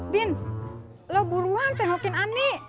bin lo buruan tengokin ani